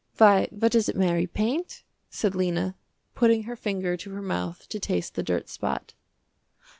"Why, what is it, Mary, paint?" said Lena, putting her finger to her mouth to taste the dirt spot.